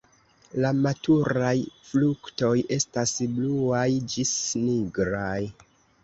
La maturaj fruktoj estas bluaj ĝis nigraj.